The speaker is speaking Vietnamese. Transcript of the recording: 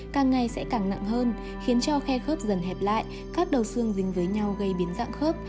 càng ngày sẽ càng nặng hơn khiến cho khe khớp dần hẹp lại các đầu xương dính với nhau gây biến dạng khớp